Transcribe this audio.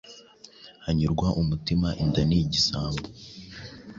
Hanyurwa umutima inda ni igisambo.